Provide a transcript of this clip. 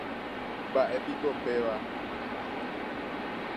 Mba'épiko péva.